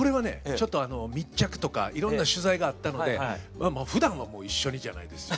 ちょっとあの密着とかいろんな取材があったのでふだんはもう一緒にじゃないですよ。